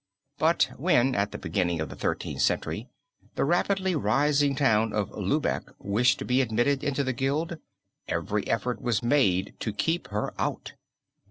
But, when at the beginning of the Thirteenth Century, the rapidly rising town of Lübeck wished to be admitted into the guild, every effort was made to keep her out.